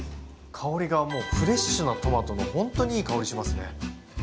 香りがもうフレッシュなトマトのほんとにいい香りしますね。